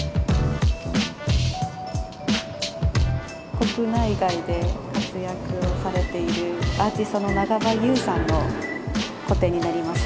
国内外で活躍をされているアーティストの長場雄さんの個展になります。